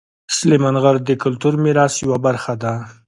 سلیمان غر د کلتوري میراث یوه برخه ده.